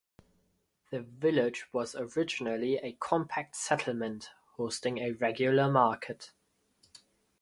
The village was originally a compact settlement hosting a regular market.